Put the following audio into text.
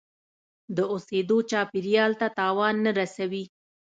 د اوسیدو چاپیریال ته تاوان نه رسوي.